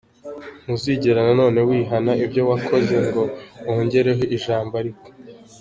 Ntuzigera na none wihana ibyo wakoze ngo wongereho ijambo ‘ariko’.